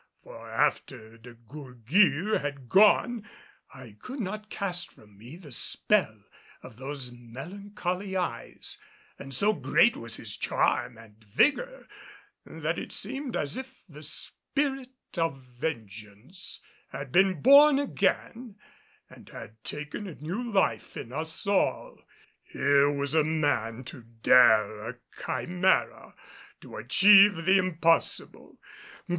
For after De Gourgues had gone, I could not cast from me the spell of those melancholy eyes, and so great was his charm and vigor that it seemed as if the spirit of vengeance had been born again and had taken a new life in us all. Here was a man to dare a chimera to achieve the impossible.